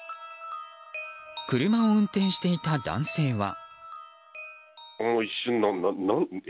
車を運転していた男性は。